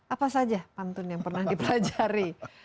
apa saja pantun yang pernah dipelajari